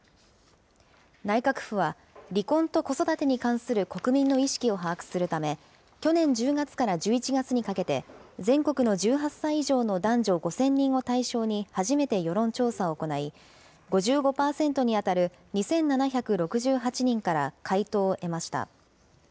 内閣府は離婚と子育てに関する国民の意識を把握するため、去年１０月から１１月にかけて、全国の１８歳以上の男女５０００人を対象に、初めて世論調査を行い、５５％に当たる２７６８人から回答を得ました。